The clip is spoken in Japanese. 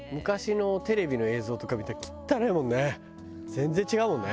全然違うもんね。